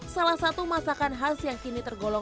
salah satu masakan khas yang kini tergolong